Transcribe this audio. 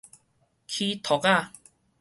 齒戳仔